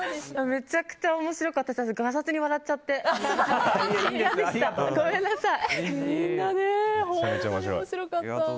めちゃくちゃ面白かったしがさつに笑っちゃってごめんなさい。